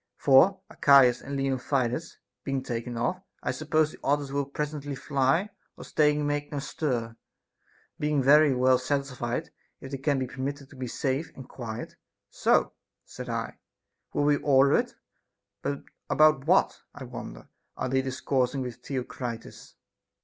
For, Archias and Leontidas being taken off, I suppose the others will presently fly, or staying make no stir, being very well satisfied if they can be per mitted to be safe and quiet. So, said I, we will order it; but about what, I wonder, are they discoursing with Theo critus?